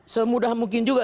semudah mungkin juga